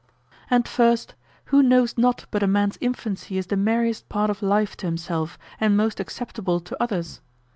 And first, who knows not but a man's infancy is the merriest part of life to himself, and most acceptable to others?